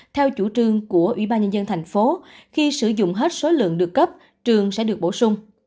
theo chủ trường của ủy ban nhân dân tp hcm khi sử dụng hết số lượng được cấp trường sẽ được bổ sung